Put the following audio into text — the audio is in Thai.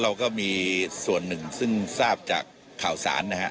เราก็มีส่วนหนึ่งซึ่งทราบจากข่าวสารนะฮะ